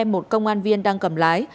một công an viên đang cầm lái